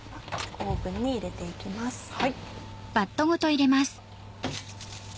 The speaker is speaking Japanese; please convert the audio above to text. オーブンに入れて行きます。